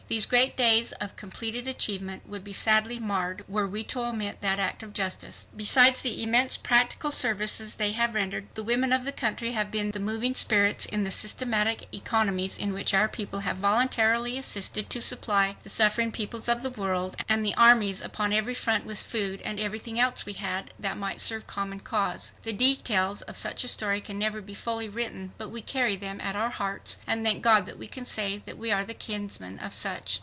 These great days of completed achievement would be sadly marred were we to omit that act of justice. Besides the immense practical services they have rendered, the women of the country have been the moving spirits in the systematic economies in which our people have voluntarily assisted to supply the suffering peoples of the world and the armies upon every front with food and everything else we had, that might serve the common cause. The details of such a story can never be fully written but we carry them at our hearts and thank God that we can say that we are the kinsmen of such."